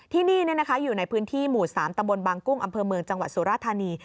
ที่นี่อยู่ในพื้นที่หมู่๓ตำบลบางกุ้งอำเภอเมืองจังหวัดสุราธานี